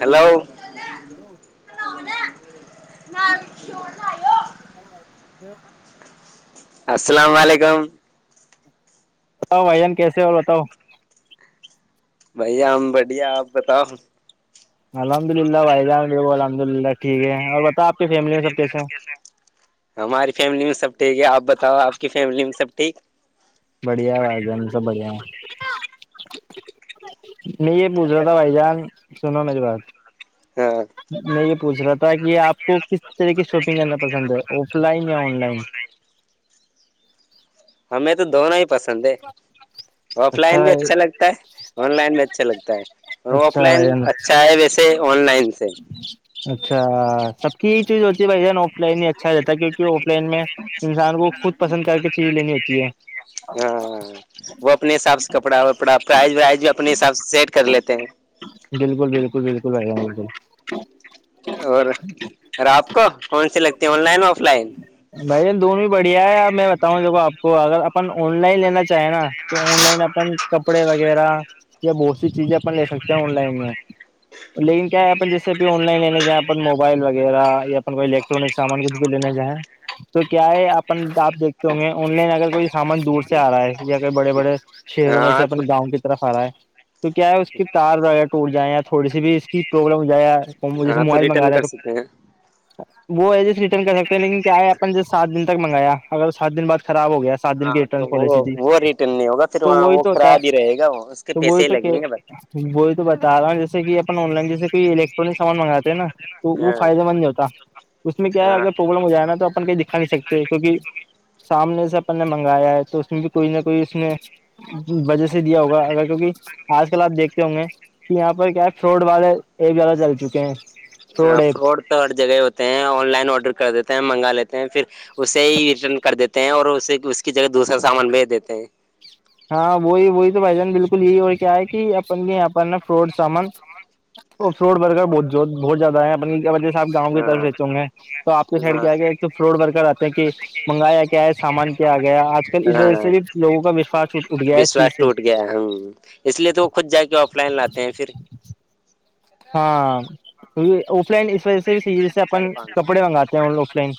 hello hello ن آ تو السلام علیکم بتاؤ بائی جان کیسے اور بتاؤ ہم بڑھیا آپ بتاؤ الحمد للہ بھائی جان بالک الحمد للہ ٹھیک ہے اور بتا آ کی فیملی میں سب کیس ہیں ہماری فیملی میں سب ٹھیک ہے آپ بتاؤ آپ کی فیملی میں سب ٹھیک بڑھیا ہے آواز ہے ہم سب بڑھیا ہے نہیں یہ پوچھ رہا تھا بھائی جان سنو میری بات ہاں میں یہ پوچھ رہا تھا کہ آپ کو کس طرح کی شاپنگ کرنا پسند ہے آف لائن یا آن لائن ہمیں تو دونوں ہی پسند ہے آف لائن بھی اچھا لگتا ہے آن لائن بھی اچھا لگتا ہے آف اچھا بھائی لائن جان اچھا ہے ویسے آن لائن سے اچھا سب کی یہی چیز ہوتی ہے بھائی آف لائن ہی اچھا رہتا ہے کیونکہ آف لائن میں انسان کو خود پسند کر کے چیزیں لینی ہوتی ہے ہوں وہ اپنے حساب سے کپڑا وپڑا پرائز وائز بھی اپنے حساب سے سیٹ کر لیتے ہیں بالکل بالکل بالکل جانل اور اور آپ کو کون سی لگتی ہے آن لائن آف لائن بھائی دون بھی بڑھیا ہے اور میں بتاؤں جب آپ کو اگر اپن آن لائن لینا ہے نا تو آن لائن اپن کپڑے وغیرہ یا بہت سی چیزیں اپن لے سکتے آن لائن میں لیکن کیا ہے اپن جیسے آن لائن لینے جہن موبائل وغیرہ یا کو الیکٹرانک سامان کچھ بھی لینے جائیں تو کیا ہے اپن آپ دیکھتے ہوں گے آن لائن اگر کوئی سامان دور سے آ رہا ہے یا کوئی بڑے بڑے شہروں میں سے ہاں اپنے کچھ گاؤں کی طرف ہرا ہے تو کیا ہے اس کی تار وغیرہ ٹ جائے یا تھوڑی بھی اس کی پروابلم ہو جائے جس ہاں موبائل ریٹرن منگاے کر تو سکتے ہیں وہ ایز ایس ریٹرن کر سکتے لیکن کیا ہے آپ نے ج سات دن تک منگایا اگر سات دن بعد خراب ہو گیا سات دن ہاں کی ریٹرن تو وہ پالیسی تھی وہ ریٹرن نہیں ہوگا پھر تو وہاں وہی وہ تو ہوتا ہے خراب ہی رہے گا اس کے تو پیسے وہی ہی تو کہ لگیں گے بس وہی تو بتا رہا ہوں جیسے کہ اپن آن لائن جیے کوئی الیکٹرانک سامان منگاتے نا تو وہ فائدے مند نہیں ہوتا اس میں کیا ہے ہاں اگر ج نا تو اپن کہ دکھا نہیں سکتے کیہ سامنے سے اپن نے منگایا ہے تو اس میں بھی کوئی نہ کوئی اس نے وجہ سے دیا ہوگا اگر کیوںکہ آج کل آپ دیکھتے ہوں گے کہ یہاں پر کیا ہے فروڈ والے یہ زیادہ چل چکے ہیں فراڈ تو ہر جگہ ہوتے ہیں آن لائن آڈر کر دیتے ہیں منگا لیتے ہیں پھر اسے ہی ریٹرن کر دیتے ہیں اور اسے اس کی جگہ دوسرا سامان بھیج دیتے ہیں ہاں وہی وہی تو بھائی جان بالکل یہی اور کیا ہے کہ اپن بھی یہاں پر نا فراڈ سامان وہ فروٹ برگر بہ بہت زیادہ ہیں اپن کی وجہ سے آپ گاؤں کی ہاں طرفچو گے تو آپ کے سائڈ ہاں کیا گیا ایک تو فلوٹ ورکر آتے ہیں کہ منگایا کیا ہے سامان کیا گیا آج کل اس وجہ ہاں سے بھی لوگوں کا وشواس اٹھ گیا ہے اس وشواس چیز سے ٹوٹ گیا ہے ہ اس لیے تو وہ خود جا کے آف لائن لاتے ہیں پھر ہاں اف ل اس و جیسے ساڑھے اپن پانچ سو کپڑے منگاتے ہیں آف لائن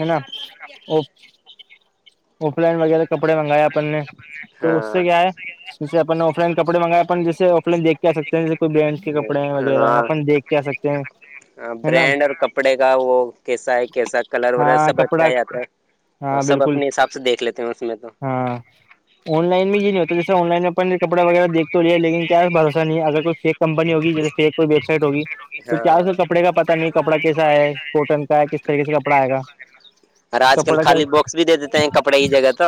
ہے نا آف لائن وغیرہ کپڑے منگاائے اپن نے تو اس سے ہاں کیا ہے جسے اپن آف لائن کپڑے منگائے اپن جیسے آف لائن دھ کے آ سکتے ہیں جیس کوئی برانڈ کے کپڑے کپڑے وغیرہ اپن دیکھ کے آ سکتے ہیں ہاں ہے نا برانڈ اور کپڑے کا وہ کیسا ہے کیسا کلر ور ہاں سب کپڑا اچھا ہی آتا ہے اور ہاں سب بالکل اپنے حساب سے دیکھ لیتے ہیں اس میں تو ہاں آن لن میں بھی نہیں ہوتا جس آن لائن میں کپڑا وغیر دھ لیا لیکن کیا اس بھروا نہیں اگر کوئی فیک کمپنی ہوگی جیے فیک کوئی ویب سائٹ ہوگ تو کیا اس کا کپڑے کا پتا نہیں کپڑا کیسا ہے کوٹن کا ہے کس طریقے سے کپڑا آئے گا اورر آج کل کپڑا کا خالی باکس بھی دے دیتے ہیں کپڑے کی جگہ تو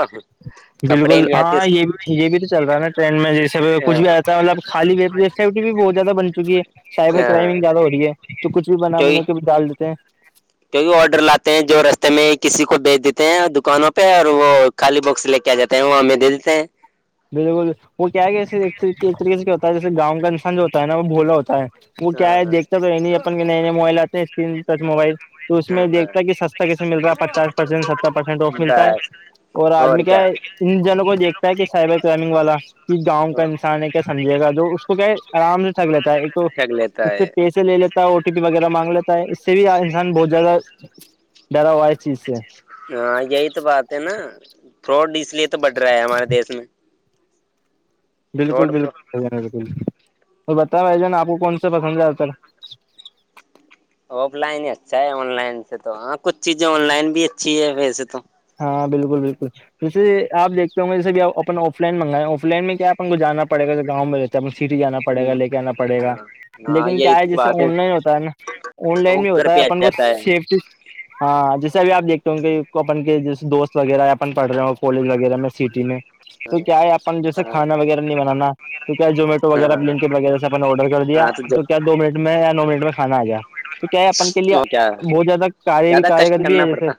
کپڑے بالکل نہیں آتے ہاں اس یہ بھی یہ بھی تو چل رہا ہے نا ٹرین میں جیسے کچھ بھی ہاں آتا ہے مطلب خالی و بھی سیفٹی بھی بہت زیادہ بن چکی ہے سائبر ہاں کررائمنگ زیادہ ہو رہی ہے تو کچھ بھی بنا کیوںکہ بنا کے ڈال دیتے ہیں کیونکہ آڈر لاتے ہیں جو رستے میں کسی کو بھیج دیتے ہیں دکانوں پہ اور وہ کالی باکس لے کے آ جاتے ہیں وہ ہمیں دے دیتے ہیں بالکل وہ کیا کہے ایک طریق سے کیا ہوتا جیسے گاؤں کا انسان جو ہوتا ہے نا وہ بھولا ہوتا ہے وہ کیا ہاں ہے دیکھتا تو اپن کے نئے نئے موبائل آتے ہیں اسکرین ٹچ موبائل تو اس میں ہاں دیکھتا ہے کہ سستا کیسے ملتا ہے پچاس پرسینٹ ستر پرسینٹ آف ملتا ہے بس اور آدمی کیا ہے ان جنوں کو دیکھتا ہے کہ منگ والا کہ گاؤں کا انان ہے کیا سمجھے گا اس کو کیا ہے آرام سے تھک لیتا ہے ایک تو چھییک لیتا ہے کیے لے لیتا ہے او ٹی پی وغیرہ مانگ لیتا ہے اس سے بھی انسان بہت زیادہ ڈرا ہوائ چی اس سے ہاں یہی تو بات ہے نا تھروڈ اس لیے تو بٹھ رہا ہے ہمارے دیس میں بالکل بالکل فراڈ بھائیان بالکل اور بتا بھائی جان آپ کون سا پسند آتا آف لائن ہی اچھا ہے آن لائن سے تو ہاں کچھ چیزیں آن لائن بھی اچھی ہے ویسے تو ہاں بالکل بالکل جیسے آ دیکتے ہوںے جیسے بھی اپن آف لائن منگائیں آف لائن میں کیا کو جانا پڑے گا گاؤں رہتا ہے اپ سٹی جانا پڑےا لے کے آنا پڑے گا ہاں لیکن یہی کیا ہے جیسے بات آن لائن ہوتا ہے نا آن لائن وہ بھی گھر ہوتا ہے پہ آ اپن کو جاتا ہے سیفٹی ہاں جیسے ا بھی آپ دیکھتے ہو کہ اپن کے جیسے دوست وغیرہ یا پڑ رہے ہو کالج وغیرہ میں سٹی میں تو کیا ہے اپن جیسے ہاں کھانا وغیرہ نہیں بنانا تو کیا زمیٹو ہاں وغیرہلنکیٹ وغیرہ سے اپ نے آرڈر دیا تو کیا دو منٹ میں یا نو منٹ میں کھانا آ گیا تو کیا ہے اپن کے لیے کیا بہت زیادہ کار بھی زیادہ کشٹ کارگت بھی ہے کرنا جیسے پڑتا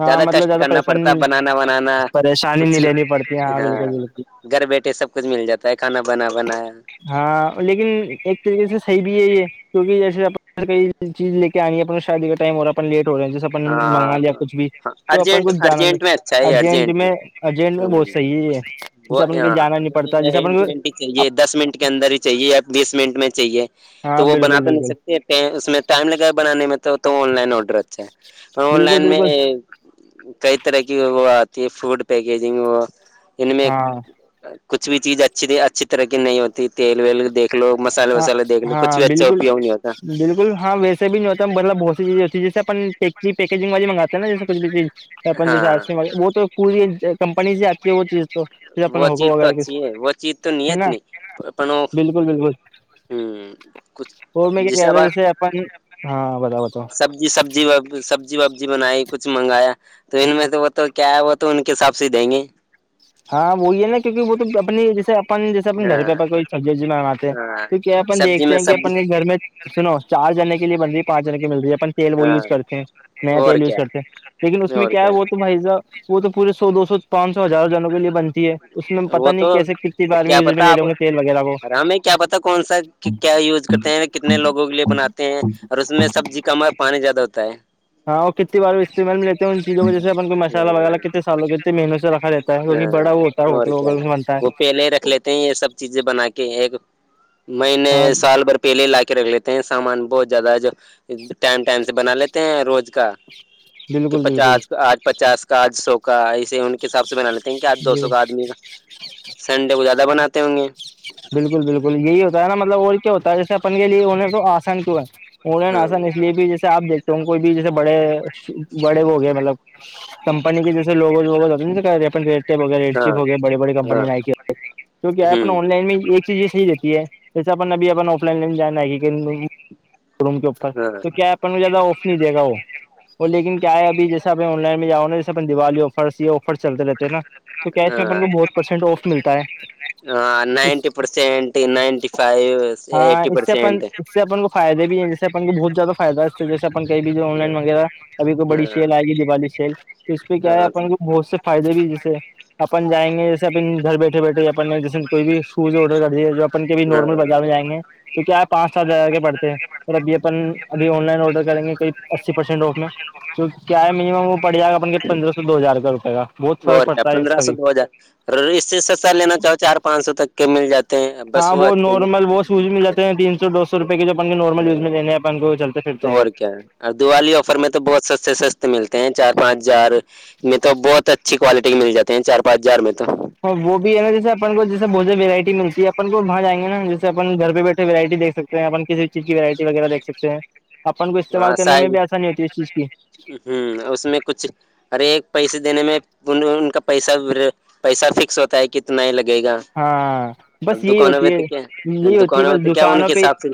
ہاں زیادہ مطلب کشٹ کرنا پڑتا پریشانی بنانا ونانا پریشانی کچھ نہیں لینی پڑتی ہے بھی ہاں بالکل بالکل گھر بیٹھے سب کچھ مل جاتا ہے کھانا بنا بنایا ہاں لیکن ایک طریقے سے صحیح بھی ہے یہ کیک جیسے آ کئی چیز لے کے آنی ہے اپنا شادی کا ٹائم ہو رہا اپن لیٹ ہو رہے ہیں جیسے اپن منگا ہاں لیا تو کچھ بھی ہاں تو اپن ارجنٹ کچھ جانا ارجنٹ میں اچھا نہیں ہے ارجنٹ میں ارجنٹ میں بہت ہ صحیح ہے جیسے وہ اپن کویں ہاں جانا نہیں پڑتا جیسے اپن کو چاہیے دس منٹ کے اندر ہی چاہیے یا بیس منٹ میں چاہیے ہاں تو وہ بنا بالکل تو نہیں بالکل سکتا اس میں ٹائم لگا ہے بنانے میں تو آن لائن آڈر اچھا ہے آن بالکل لائن میں بالکل کئی طرح کی وہ آتی ہے فوڈ پیکیجنگ وہ ان میں ہاں کچھ بھی چیز اچھی اچھی طرح کی نہیں ہوتی تیل ویل دیکھ لو مسالہ ہاں وسالہ دیکھ لو کچھ ہاں بھی اچھا بالکل اپیوگ نہیں ہوتا بالکل ہاں نہیں ہوتا بہت سیز ہوتی جیے اپ پیکجگ بجی مگات نا جیسے کچھ بھی چیزن ہاں جی آ وہ تو پوری کمپنی سے آتی ہے وہ چیز تو اپنے وہ چیز ہوگو تو وغیرہ ک اچھی ہے وہ چیز تو نہیں ہے نا اتنی اپنوں بالکل بالکل ہوں کچھ وہ میں کیا کیا تھا جیسے اپن ہاں بتا تو جی سبزی سبزی وبزی بنائی کچھ منگایا تو ان میں سے وہ تو کیا ہے وہ تو ان کے حساب سے دیں گے ہاں وہی ہے نا کیونکہ وہ تو اپنی جیسے اپن جیسے اپنے گھر ہاں پہ کوئی سبزی وبزی منگاتے ہیں ہاں تو کیا اپن سبزی دیکھتے میں ہیں کہ اپن کے سبزی گھر میں سنو چار جنے کے لیے بندی پانچ جنے کی ملتی ہے اپن تیل وہ ہاں یوز کرتے ہیں نیا اور تیل یوز کیا کرتے ہیں لیکن اس میں کیا ہے وہ تو بھائی س وہ تو پورے سو دو سو پانچ سو ہزار جنوں کے لیے بن اس میں پتا وہ نہیں تو کیسے کتنی بار میں کیا یز میں پتا لے آپ لوں گے تیل وغیرہ کو کہ کیا یوز کرتے ہیں کتنے لوگوں کے لیے بناتے ہیں اور اس میں سبزی کا پانی زیادہ ہوتا ہے ہاں وہ کتنے بار اسعمل میںلتے ہیں ان چیزوں میں جیسےن کو مسالہ وغیرہ ہ کتنے سالوں کتنے مہینوں سے رکھا رہتا ہے کیونک بڑا وہ ہے اور ہوٹل کیا وغیرہ ہے میں بنتا وہ پہلے رکھ لیتے ہیں یہ سب چیزیں بنا کے ایک مہینے ہے ہاں سال بھر پہلے لا کے رکھ لیتے ہیں سامان بہت زیادہ جو ٹائم ٹائم سے بنا لیتے ہیں روز کا کہ بالکل بالکل پچاس کا آج پچاس کا آج سو کا ایے ان کے حساب سے بنا لیتے ہیں کہ آج دو جی سو کا آج سنڈے کو زیادہ بناتے ہوں گے بالکل بالکل یہی ہوتا ہے نا مطلب اور کیا ہوتا ہے جیسے اپن کے لیے انہیں تو آسان کیوں ہے ان نا ہاں آسان اس لیے بھی جیسے آپ دیکھتے ہو کوئی بھی جیسے بڑے بڑے وہ گئے مطلب کمپنی کے جیسے لوگز ووز ہوتےٹی ہو ریڈ چیپ ہو گئے بڑی بڑی ہاں کمپنیائ کیونکہ ایپ ہوں آن لائن میں ہی ایک چیز یہ صحی رہتی ہے جیسے اپن ابھی اپ آف لائن لن جانا ہے روم کے اوپر تو کیا اپ کو زیادہ آف نہیں دے گا وہ وہ لیکن کیا ہے اب جیسے آپ آن لائن میںاؤںا جیسےپ دیوالی ہو فرسیی ہو چلتے رہتے ہیں نا تو کیچ میں اپن کو بہت پرسینٹ آف ملتا ہے ہاں اس نائنٹی پرسینٹ نائنٹی فائیو ہاں ایٹی اس سے اپن پرسینٹ اس سے اپن کو فائدے بھی ہیں ج سے کو بہت زیادہ فائدہ ہے جیسے اپن کہیں بھی جو آن لائن وغیرہ ابھی کوئی بڑی سل آئے گی دیوالی سل تو اس پہ کیا ہے اپن کو بہت سے فائدے بھی جیسے اپن جائیں گے جیسے اپ گھر بیٹھے بیٹھے اپ جیسے کوئی بھی آرڈر کر دی جو اپن کبھی نارمل بازار میں جائ گے تو کیا آپ پانچ سات ہزار کے پڑتے ہیں س ابھی اپن ہاں ابھی آن لائن آڈر کریں گے کوئی اسی پرسینٹ رف میں تو کیا ہے منیمم وہ پڑ جائےان کے پندرہ سو دو ہزار روپ کا بہت فرق اور کیا پڑتا ہے اس پندرہ کا سو بھی دو ہزار اور اس سے سستا لینا چاہو چار پانچ سو تک کے مل جاتا ہاں ب نارمل ب سوز مل ہیں تین سو دو سو روپئے کے جو اپ ان کو نارمل یوز لینے ہیں اپ ان کو وہ چلتے پھرتے ہیں اور کیا اور دیوالی آفر میں تو بہت سستے سستے ملتے ہیں چار پانچ ہزار میں تو بہت اچھی کوالٹی کے مل جاتے ہیں چار پانچ ہزار میں تو اور وہ بھی ہے نا جسے اپن کو جیسے بہت سے وورائٹی ملتی ہے اپن کو وہاں جائ گے نا جی اس اپن گھرہ بیٹھے وورائٹی دیک سکتے ہیں اپ کسی چیز کی وورائٹی وغیرہ دیک سکتے ہیں اپن کو استعمال کرنے میں بھی آسانی ہوتی ہے اس چیز کی ہوں اس میں کچھ ارے ایک پیسے دینے میں ان کا پیسہ پیسہ فکس ہوتا ہے کتنا ہی لگے گا ہاں اب بس یہی دکانوں میں ہوتی ہے تو کیا یہی ہوتی ہے دکانوں میں بس تو کیا ان دکانوں کے پہ حساب سے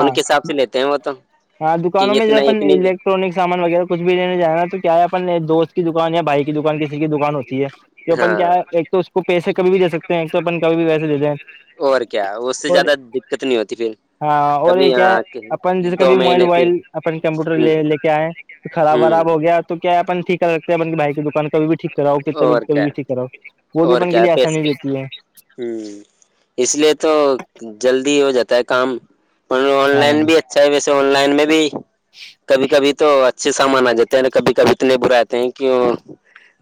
ان کے حساب سے لیتے ہیں وہ تو ہاں کہ دکانوں میں ج اتنا اپن اتنی الیکٹرانک سامان وغیرہ کچھ بھی لینے جائائے گا تو کیا ہے اپن ایک دوست کی دکان یا بائک دکان کسی کی دکان ہوتی ہے تو اپن ہاں کیا ہے ایک تو اس کو پیسے کبھی بھی دے سکتے ہیں ایک تو اپن کبھی بھی پیسے دے دیں ہیں اور کیا اس سے زیادہ دقت نہیں ہوتی پھر ہاں اور کبھی یہ کیا ہے یہاں کے اپن جیسے کبھی موبائل ووبائل اپن کمپیوٹر لے کے آئے تو خراب وراب ہ ہو گ تو کیا ہے اپن ٹیک کر رکھتے ہیں اپن کی بھائی کی دکان کب بھی ٹھیک کراؤ کتنے بھی اور کبھی کیا بھی ٹیک کراؤ وہ بھی اور اپن کے کیا لیے پس آسانی رہتی ہے ہوں اس لیے تو جلدی ہو جاتا ہے کام آن ہاں لائن بھی اچھا ہے ویسے آن لائن میں بھی کبھی کبھی تو اچھے سامان آ جاتے ہیں کبھی کبھی تو نہیں براتے ہیں کہ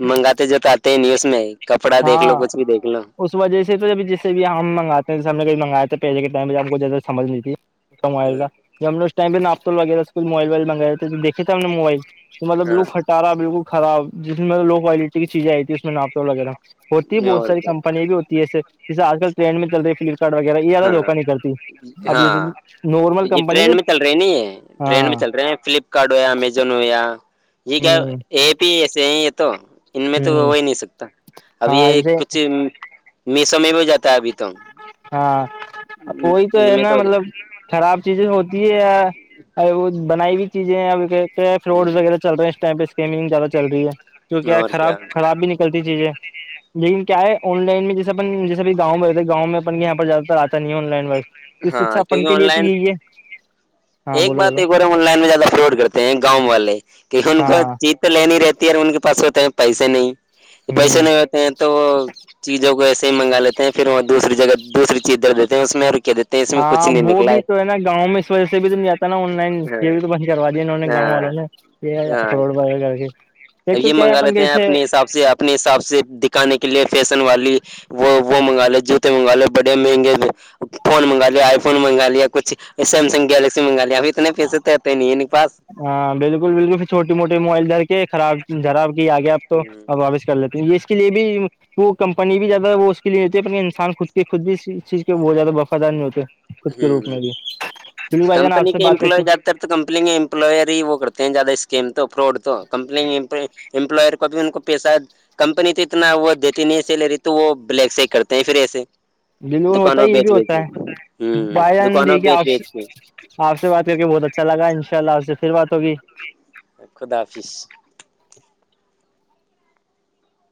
منگاتے جات آ نی اس میں کپڑا دیکھ لو ہاں کچھ بھی دیکھ لو اس وجہ سے تو جب جیسے بھی ہم مگاتے ہم نے کب منگائےیا تو پیسے کے ائم میں آ کو زیادہ سج نہیں تھی موبائل ہاں کا جب ہم نے اس ٹائ پہ ناپ وغیرہ اسکول موبائل وائل منگے تویکے ہم نے موبائل تو مطلب بالکل ہاں کھٹارا بالکل خراب جس میں لو کوالٹی کی چیزیں آئی تھی اس میں ناپے وغیرہ ہوتی ہے بہت اور ساری کیا کمپنییا بھی ہوتی ہے ایسے جیسےجل ٹرینڈ میں چل رہی فلپکارٹ وغیرہ یہیادہ دھوکا ہاں نہیں کرتی اب جیسے ہاں نارمل یہ کمپنی ٹرین جو میں چل رہی نا یہ ٹرین میں ہاں چل رہے ہیں فلپ کارڈ ہو امزون ہو یا یہ کیا ہ ایپ ہی ایسے ہیں یہ تو ان میں تو ہو ہ ہی نہیں سکتا اب ہاں یہ جیسے کچھ میسوں میں بھی ہو جاتا ہے ابھی تو ہاں وہی تو ان ہے میں نا ہو جا- مطلب خراب چیزیں ہوتی ہے وہ بنائی ہوئی چیزیں ا پ فروڈ وغہ ہوں، چل رہے ہیں اس ٹائ پہ اسکیمنگ زیاہ چل رہی ہے جو کیا ہے خراب خراب بھی نکلتی چیزیں لیکن کیا ہے آن لائن میں جیسا اپن سب گاؤںہتے گاؤ میں اپن کے یہاں پر زیاد تر آتا نہیں ہےن لن ہاں کیونکہ آن لائن ہاں ایک بولو بات بولو ایک بار ہم آن لائن میں زیادہ اپلوڈ کرتے ہیں گاؤں والے کیکہ ان کا ہاں چ تو لینی رہتی ہے ان کے پاس ہوتے ہیں پیسے نہیں پیسے ہوں نہیں ہوتے ہیں تو وہ چیزوں کو ایسے ہی منگا لیتے ہیں پھر وہ دوسری جگہ دوسری چیز د دیتے ہیں اس میں اور رک دیتے ہیں اس میں کچھ ہاں نہیں وہ نکلا بھی تو ہے نا گاؤں میں اس وجہ سے بھی تو نہیں آتا نا آن لائن پ بھی تو ہاں بند کروا دیا انہوں نے گاؤں والوں نے یہ ہاں اخروٹ بغ کر کے ایک تو یہ کیا ہے منگا اپن لیتے ہیں کیسے اپنے حساب سے آپ اپنے حساب سے دکھانے کے لیے فیشن والی وہ وہ منگا لے جو منگا لے بڑے مہنگے فون منگا لیا آئی فون منگا لیا کچھ سیمسن گلیکسی پچم بنالی ابھی تونے پیسے توتے نہیں ہے ان پا ہاں بالکل بالکل پھر چھوٹی موٹی موائل در کے خراب جراب کی آ گیا تو ہوں واپس کر لیتے ہیں یہ اس کے لیے بھی وہ کمپنی بھی زیادہ وہ اس کے لیے ہوتی اپنے انسان خود کے خود بھی چیز کے وہ زیادہ وفادار نہیں ہوتے خود کے روپ میں ہوں بھیو بھائی جان آپ کمپنی سے کے بات کرتے امپلائی زیادہ تو کمپنی کے امپلائر ہی وہ کرتے ہیں زیادہ اسکیم تو فراڈ تو کمپنیم امپلائر کو بھی ان کو پیسہ کمپنی تو اتنا وہ دیتی نہیں سیلری تو وہ بلیک سے ہی کرتے ہیں پھر ایسے بلور ہوتا ہے دکانوں یہ بھی بیچ بیچ ہوتا کے ہے ہوں بائی دکانوں دے کے بیچ آپ سے بیچ کے آپ سے بات کر کے بہت اچھا لگا ان شاء اللہ آپ سے پھر بات ہوگی خدا حافظ